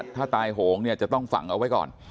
ถ้าตายโหงเนี่ยจะต้องฝังเอาไว้ก่อน